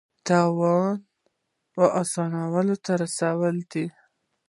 تاوانونه اولسونو ته رسېدلي دي.